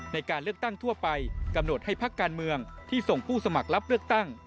ในการเลือกตั้งทั่วไปกำหนดให้พักการเมืองที่ส่งผู้สมัครรับเลือกตั้ง